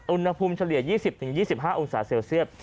อุณหภูมิเฉลี่ยยี่สิบถึงยี่สิบห้าองศาเซลเซียส